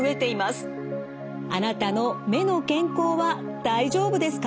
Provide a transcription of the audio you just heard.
あなたの目の健康は大丈夫ですか？